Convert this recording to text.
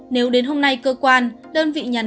nếu đến hôm nay cơ quan đơn vị nhà